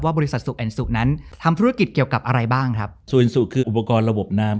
บริษัทสุกแอนสุกนั้นทำธุรกิจเกี่ยวกับอะไรบ้างครับศูนย์สุคืออุปกรณ์ระบบน้ำ